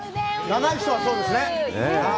長い人はそうですね。